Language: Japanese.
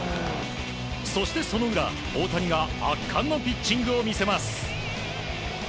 そしてその裏、大谷が圧巻のピッチングを見せます。